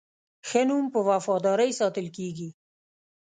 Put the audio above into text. ښه نوم په وفادارۍ ساتل کېږي.